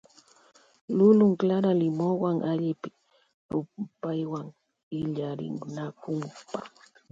Lulun clara limonwa alli rupaywan illarinakukpa.